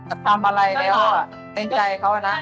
ถ้าเขาจะทำอะไรในรอเป็นใจเขานะ